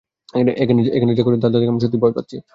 এখানে যা ঘটছে তা দেখে আমি সত্যিই ভয় পাচ্ছি।